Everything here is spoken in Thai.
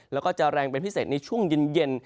แล้วก็จะแรงเป็นพิเศษในช่วงเย็น